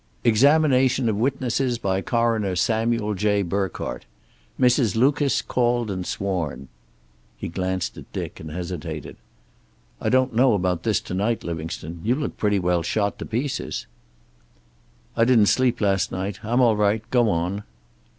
'Examination of witnesses by Coroner Samuel J. Burkhardt. Mrs. Lucas called and sworn.'" He glanced at Dick and hesitated. "I don't know about this to night, Livingstone. You look pretty well shot to pieces." "I didn't sleep last night. I'm all right. Go on."